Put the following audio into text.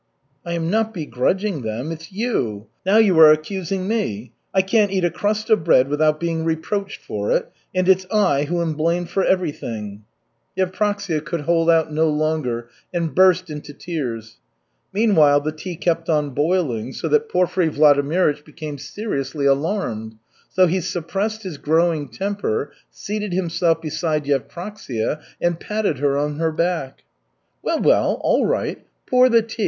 "I am not begrudging them. It's you " "Now you are accusing me. I can't eat a crust of bread without being reproached for it, and it's I who am blamed for everything." Yevpraksia could hold out no longer and burst into tears. Meanwhile the tea kept on boiling, so that Porfiry Vladimirych became seriously alarmed. So he suppressed his growing temper, seated himself beside Yevpraksia and patted her on her back. "Well, well. All right. Pour the tea.